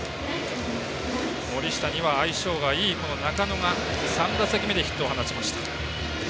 森下には相性がいい中野が３打席目でヒットを放ちました。